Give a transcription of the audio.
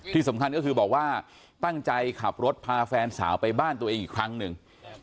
ที่สำคัญก็คือบอกว่าตั้งใจขับรถพาแฟนสาวไปบ้านตัวเองอีกครั้งหนึ่ง